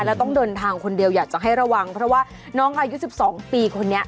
แล้วต้องเดินทางคนเดียวอยากจะให้ระวังเพราะว่าน้องอายุ๑๒ปีคนนี้